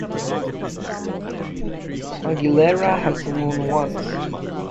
Aguilera has won once.